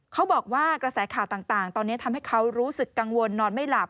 เขาบอกว่ากระแสข่าวต่างตอนนี้ทำให้เขารู้สึกกังวลนอนไม่หลับ